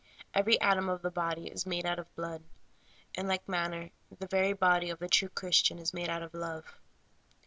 Every atom of the body is made out of blood. In like manner the very body of the true Christian life is made out of love.